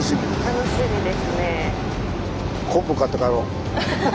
楽しみですね。